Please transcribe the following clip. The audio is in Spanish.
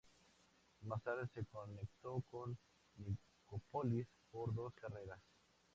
Más tarde se conectó con Nicópolis por dos carreteras.